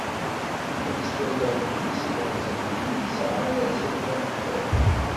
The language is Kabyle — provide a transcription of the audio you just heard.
Akken ttwaliɣ, nekni s yilemẓiyen, ur nesɛi ara azref ad nextir.